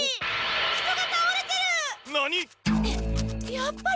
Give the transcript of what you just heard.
やっぱり！